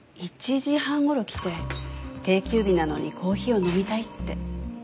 １時半頃来て定休日なのにコーヒーを飲みたいって。